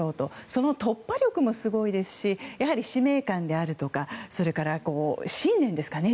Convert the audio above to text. その突破力もすごいですしやはり使命感であるとかそれから信念ですかね